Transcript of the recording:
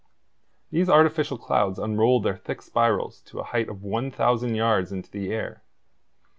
These artificial clouds unrolled their thick spirals to a height of 1,000 yards into the air.